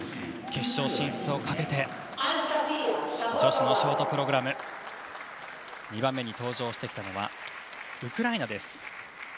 決勝進出をかけて女子のショートプログラム２番目に登場したのはウクライナです。